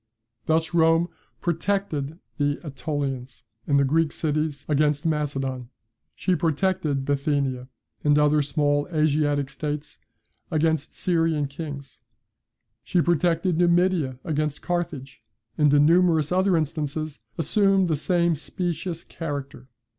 Thus Rome PROTECTED the AEtolians, and the Greek cities, against Macedon; she PROTECTED Bithynia, and other small Asiatic states, against the Syrian kings; she protected Numidia against Carthage; and in numerous other instances assumed the same specious character.